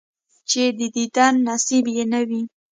چې د دیدن نصیب یې نه وي،